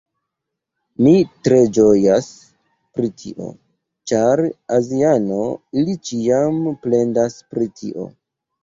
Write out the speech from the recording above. Mi tre ĝojas pri tio! ĉar aziano, ili ĉiam plendas pri tio